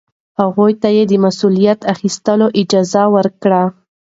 هغوی ته د مسؤلیت اخیستلو اجازه ورکړئ.